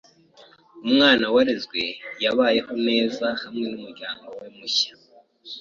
Umwana warezwe yabayeho neza hamwe numuryango we mushya.